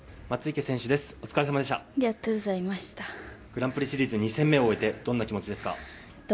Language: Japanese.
グランプリシリーズ２戦目を終えてどんな気持ちですか？